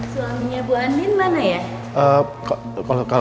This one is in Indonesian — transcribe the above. suaminya bu andin mana ya